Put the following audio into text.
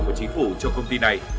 của chính phủ cho công ty này